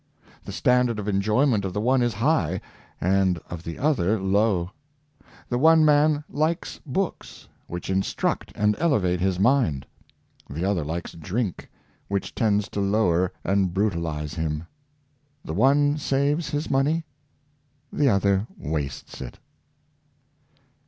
The standard of enjoyment of the one is high, and of the other low. The one man likes books, which instruct and elevate his mind; the other likes drink, which tends to lower and brutalize him. The one saves his money; the other wastes it.